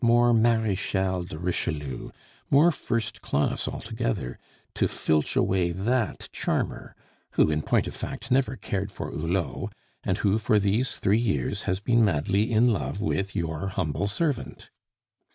more Marechal de Richelieu, more first class altogether, to filch away that charmer, who, in point of fact, never cared for Hulot, and who for these three years has been madly in love with your humble servant."